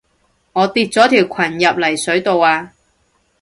我跌咗條裙入泥水度啊